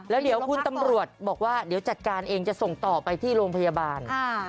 แล้วเดี๋ยวคุณตำรวจบอกว่าเดี๋ยวจัดการเองจะส่งต่อไปที่โรงพยาบาล